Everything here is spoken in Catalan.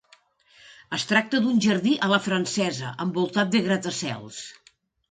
Es tracta d'un jardí a la francesa envoltat de gratacels.